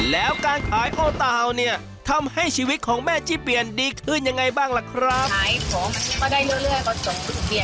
แล้วการขายพ่อตาวเนี่ยทำให้ชีวิตของแม่จี้เปลี่ยนดีขึ้นยังไงบ้างล่ะครับ